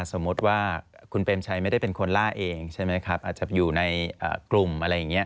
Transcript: สมมุติว่าคุณเปรมชัยไม่ได้เป็นคนล่าเองใช่ไหมครับอาจจะอยู่ในกลุ่มอะไรอย่างนี้